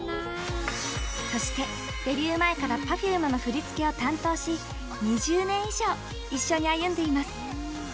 そして、デビュー前からＰｅｒｆｕｍｅの振り付けを担当し２０年以上一緒に歩んでいます。